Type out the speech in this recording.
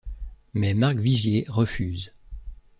Mais Marc Vigier refuse.